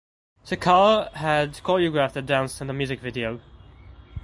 Sekhar had choreographed the dance in the music video.